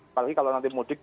apalagi kalau nanti mudik